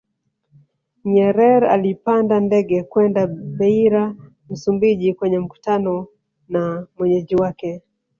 Nyerer alipanda ndege kwenda Beira Msumbiji kwenye mkutano na mwenyeji wake